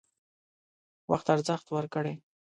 وخت ارزښت ورکړئ